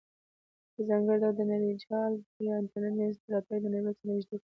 په ځانګړې ډول د نړیجال یا انټرنیټ مینځ ته راتګ نړیوال سره نزدې کړل.